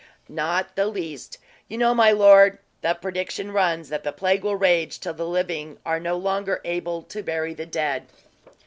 "Not the least. You know, my lord, the prediction runs, that the plague will rage till the living are no longer able to bury the dead."